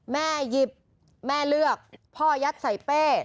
แม่หยิบแม่เลือกพ่อยัดใส่เป้